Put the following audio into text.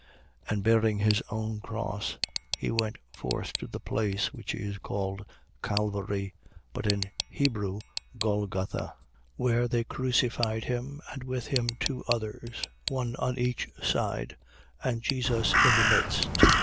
And bearing his own cross, he went forth to the place which is called Calvary, but in Hebrew Golgotha. 19:18. Where they crucified him, and with him two others, one on each side, and Jesus in the midst. 19:19.